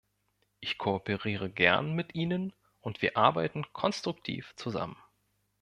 Ich kooperiere gern mit Ihnen und wir arbeiten konstruktiv zusammen.